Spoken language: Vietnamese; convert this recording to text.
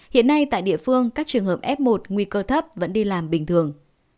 hiện nay tại địa phương các trường hợp f một nguy cơ thấp vẫn đi làm bình thường